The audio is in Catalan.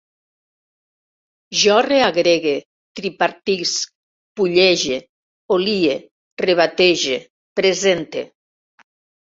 Jo reagregue, tripartisc, pullege, olie, rebatege, presente